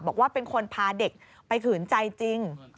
บอกว่าเป็นคนพาเด็กไปขืนใจจริง